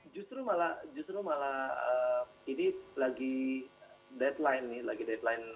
justru malah justru malah ini lagi deadline nih lagi deadline